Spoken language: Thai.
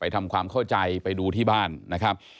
ทำความเข้าใจไปดูที่บ้านนะครับ